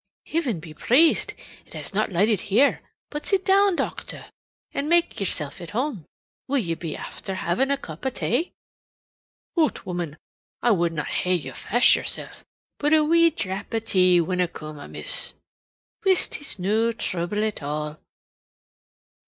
"Hiven be praised it has not lighted here! But sit down, docther, an' make yersilf at home. Will ye be afther havin' a cup o' tay?" "Hoot, woman! I would na hae you fash yoursel', but a wee drap tea winna coom amiss." "Whist! It's no thruble at all."